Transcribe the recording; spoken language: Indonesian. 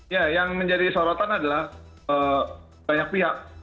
ya yang menjadi sorotan adalah banyak pihak